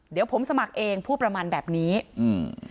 เดี๋ยวผมสมัครเองพูดประมาณแบบนี้อืม